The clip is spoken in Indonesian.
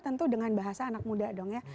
tentu dengan bahasa anak muda dong ya